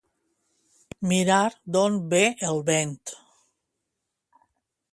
Mirar d'on ve el vent.